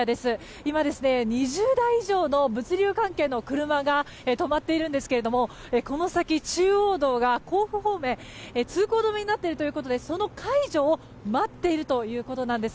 今、２０台以上の物流関係の車が止まっているんですけれどもこの先、中央道が甲府方面通行止めになっているということでその解除を待っているということです。